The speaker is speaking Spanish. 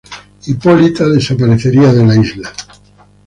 Hipólita desaparecería de la isla.